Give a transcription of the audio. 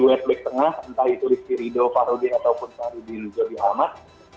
entah itu rizky ridho farhudi atau pun sari bin jodi rahmat